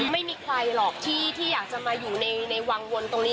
ไม่มีใครหรอกที่อยากจะมาอยู่ในวังวนตรงนี้